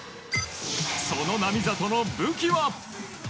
その並里の武器は。